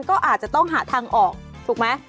ก็อาจจะต้องหาทางออกถูกไหม